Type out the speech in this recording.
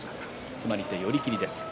決まり手は寄り切りです。